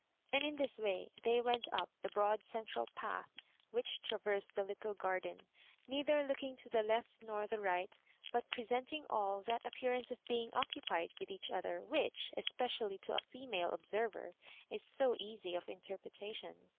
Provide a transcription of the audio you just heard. And in this way thej went up the broad central path which travened the little garden, neither looking to the left nor the right, but presenting all that appearanoe of being occupied with each other, which, eepedaUy to a female obsenrer, is so easy of interpretation.